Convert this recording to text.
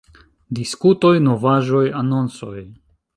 Diskutoj, Novaĵoj, Anoncoj.